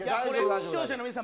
視聴者の皆さん